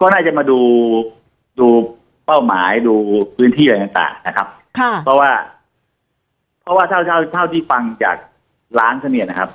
ก็น่าจะมาดูดูเป้าหมายดูพื้นที่อะไรต่างนะครับค่ะเพราะว่าเพราะว่าเท่าเท่าที่ฟังจากร้านเขาเนี่ยนะครับ